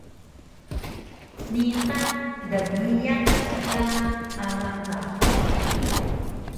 Niqan dgiyaq ka alang ta hug?